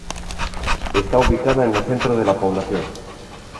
Está ubicada en el centro de la población.